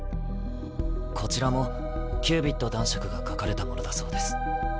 こちらもキュービッド男爵が描かれたものだそうです。